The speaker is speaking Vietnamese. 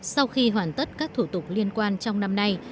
sau khi hoàn tất các thủ tục liên quan trong năm nay